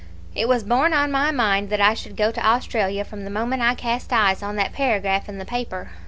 It was borne on my mind that I should go to Australia from the moment I cast eyes on that paragraph in the paper.